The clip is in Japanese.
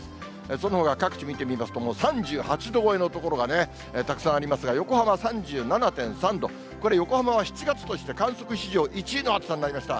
そのほか各地見てみますと、もう３８度超えの所がね、たくさんありますが、横浜３７．３度、これ、横浜は７月として観測史上１位の暑さになりました。